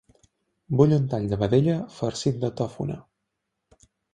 Vull un tall de vedella farcit de tòfona.